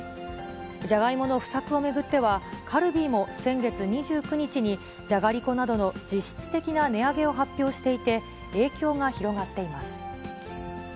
じゃがいもの不作を巡っては、カルビーも先月２９日に、じゃがりこなどの実質的な値上げを発表していて、影響が広がっています。